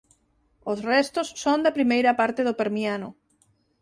O restos son da primeira parte do Permiano.